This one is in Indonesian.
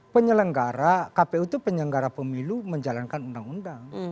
penyelenggara kpu itu penyelenggara pemilu menjalankan undang undang